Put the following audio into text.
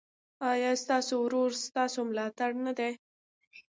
ایا ستاسو ورور ستاسو ملاتړ نه دی؟